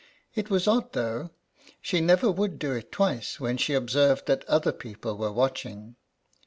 It was odd, though ; sl\e never would do it twice, when INTR OD UCTION. 1 3 she observed that other people were watch ing.